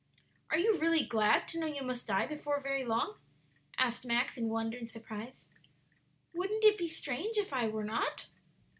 "Are you really glad to know you must die before very long?" asked Max, in wonder and surprise. "Wouldn't it be strange if I were not?"